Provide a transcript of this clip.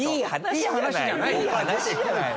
いい話じゃないでしょ。